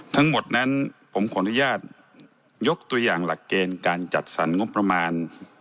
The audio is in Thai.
ทั้งหมดนั้นผมขออนุญาตยกตัวอย่างหลักเกณฑ์การจัดสรรงบประมาณ